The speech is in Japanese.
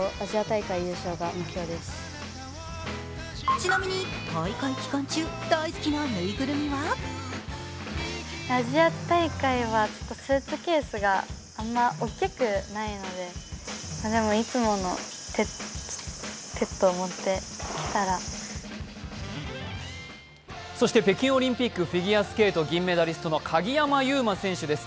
ちなみに大会期間中、大好きなぬいぐるみはそして北京オリンピックフィギュアスケート銀メダリストの鍵山優真選手です。